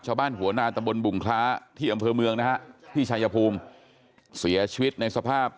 หัวหน้าตำบลบุงคล้าที่อำเภอเมืองนะฮะที่ชายภูมิเสียชีวิตในสภาพ